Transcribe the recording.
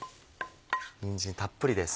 にんじんたっぷりです。